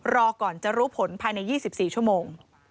รอก่อนจะรู้ผลภายใน๒๔ชั่วโมง